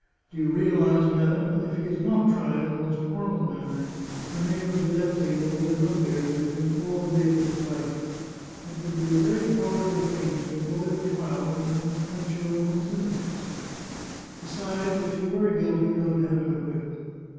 Do you realize, madam, that if he is not tried in the most formal manner, the name of Giletti will be a bugbear to him all the days of his life ? It would be a very cowardly thing to avoid a trial when one is quite sure of one's innocence. Besides, if he were guilty I would have him acquitted.